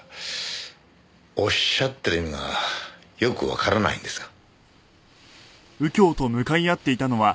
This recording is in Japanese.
おっしゃってる意味がよくわからないんですが。